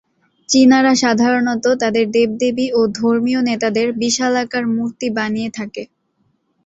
চীনারা সাধারণত তাদের দেবদেবী ও ধর্মীয় নেতাদের বিশালাকার মূর্তি বানিয়ে থাকে।